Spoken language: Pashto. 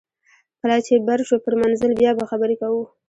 کله چې بر شو پر منزل بیا به خبرې کوو